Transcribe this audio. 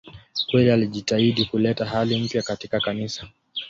Kweli alijitahidi kuleta hali mpya katika Kanisa.